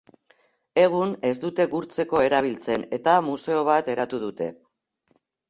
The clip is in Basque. Egun ez dute gurtzeko erabiltzen eta museo bat eratu dute.